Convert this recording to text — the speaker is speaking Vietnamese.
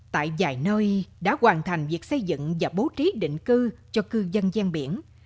tại vài nơi đã hoàn thành việc xây dựng và bố trí định cư cho cư dân gian biển